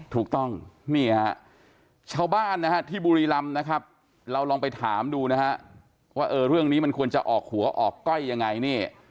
ถูกต้องนี่ฮะชาวบ้านนะฮะที่บุรีรำนะครับเราลองไปถามดูนะฮะว่าเรื่องนี้มันควรจะออกหัวออกก้อยยังไงนี่